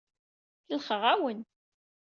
Kellxeɣ-awen.